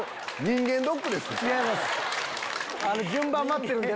違います。